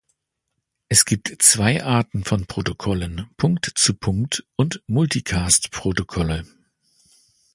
Es gibt zwei Arten von Protokollen, Punkt-zur-Punkt- und Multicast-Protokolle.